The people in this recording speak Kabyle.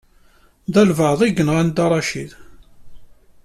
D walebɛaḍ i yenɣan Dda Racid.